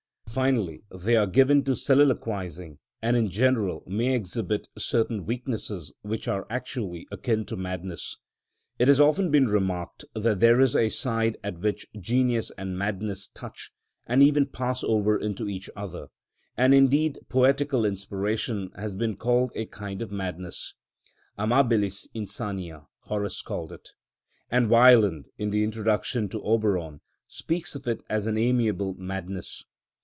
Finally, they are given to soliloquising, and in general may exhibit certain weaknesses which are actually akin to madness. It has often been remarked that there is a side at which genius and madness touch, and even pass over into each other, and indeed poetical inspiration has been called a kind of madness: amabilis insania, Horace calls it (Od. iii. 4), and Wieland in the introduction to "Oberon" speaks of it as "amiable madness."